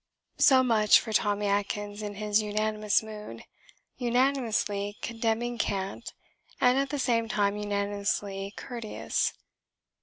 So much for Tommy Atkins in his unanimous mood unanimously condemning cant and at the same time unanimously courteous.